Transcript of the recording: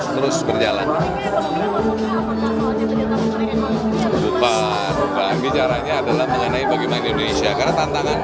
terus berjalan lupa bicaranya adalah mengenai bagaimana indonesia karena tantangan